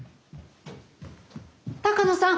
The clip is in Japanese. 鷹野さん！